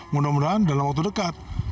mudah mudahan dalam waktu dekat